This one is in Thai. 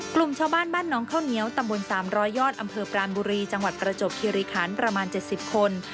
กลุ่มชาวบ้านบ้านน้องข้าวเหนียวตำบล๓๐๐ยอดอำเภอปรานบุรีจังหวัดประจบคิริคันประมาณ๗๐คน